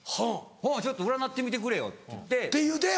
「ちょっと占ってみてくれよ」って。って言うて。